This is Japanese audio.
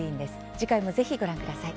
次回も、ぜひご覧ください。